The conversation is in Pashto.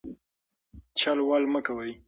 چل ول مه کوئ.